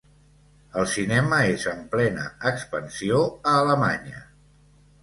El cinema és en plena expansió a Alemanya.